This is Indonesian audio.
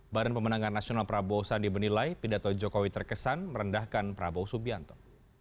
badan pemenangan nasional prabowo sandi menilai pidato jokowi terkesan merendahkan prabowo subianto